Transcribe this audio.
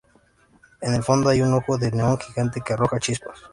En el fondo hay un ojo de neón gigante, que arroja chispas.